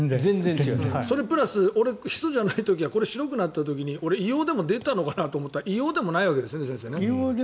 それプラス俺ヒ素じゃない時はこれ、白くなっている時に硫黄でも出たのかなと思ったら硫黄でもないんですね。